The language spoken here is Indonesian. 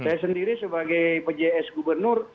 saya sendiri sebagai pjs gubernur